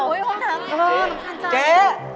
เฮ้ยรำคาญจัง